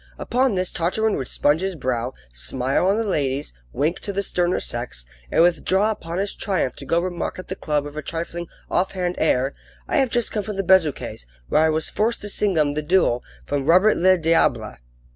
Upon this Tartarin would sponge his brow, smile on the ladies, wink to the sterner sex, and withdraw upon his triumph to go remark at the club with a trifling, offhand air: "I have just come from the Bezuquets', where I was forced to sing 'em the duo from Robert le Diable."